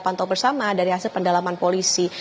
pantau bersama dari hasil pendalaman polisi